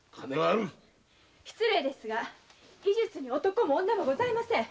失礼ですが医術に男も女もございません